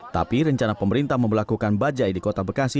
tapi rencana pemerintah membelakukan bajaj di kota bekasi